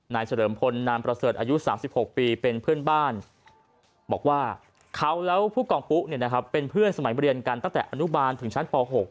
เฉลิมพลนามประเสริฐอายุ๓๖ปีเป็นเพื่อนบ้านบอกว่าเขาแล้วผู้กองปุ๊เป็นเพื่อนสมัยเรียนกันตั้งแต่อนุบาลถึงชั้นป๖